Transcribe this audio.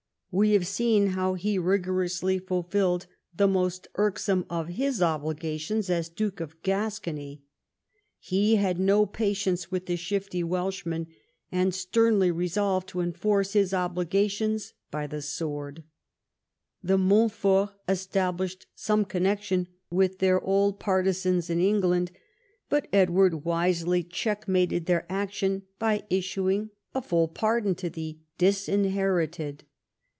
We have seen how he rigorously fulfilled the most irksome of his obligations as Duke of Gascony. He had no patience with the shift}^ Welshman, and sternly resolved to enforce his obligations by the sword. The Montforts established some connection with their old })artisans in England, but Edward wisely checkmated their action by issuing a .J»l"J»'Jfl" —. VI THE CONQUEST OF THE PRINCIPALITY 109 full pardon to the "Disinherited."